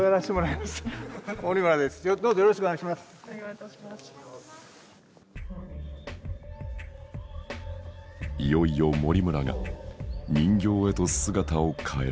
いよいよ森村が人形へと姿を変える。